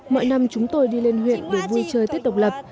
mọi năm chúng tôi đi lên huyện để vui chơi tết độc lập